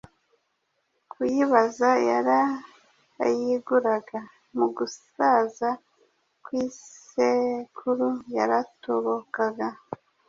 kuyibaza yarayiguraga. Mu gusaza kw’isekuru yaratobokaga